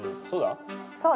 そうだ。